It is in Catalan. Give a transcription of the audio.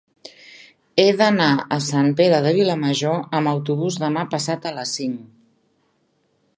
He d'anar a Sant Pere de Vilamajor amb autobús demà passat a les cinc.